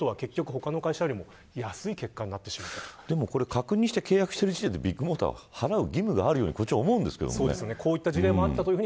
確認して契約している時点でビッグモーターは払う義務があるように思うんですけどね。